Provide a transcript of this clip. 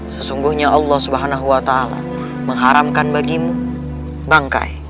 sesungguhnya allah subhanahu wa ta'ala mengharamkan bagimu bangkai